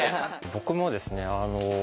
僕もですね